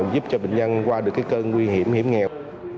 giúp cho bệnh nhân qua được cơn nguy hiểm hiểm nghèo